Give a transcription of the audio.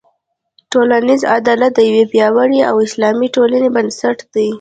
ټولنیز عدالت د یوې پیاوړې او سالمې ټولنې بنسټ دی.